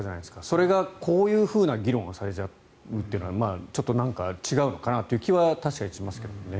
それがこういうふうな議論をされちゃうというのはちょっと違うのかなという気は確かにしますけどね。